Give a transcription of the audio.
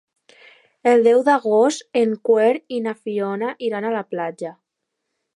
El deu d'agost en Quer i na Fiona iran a la platja.